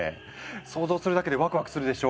想像するだけでワクワクするでしょ？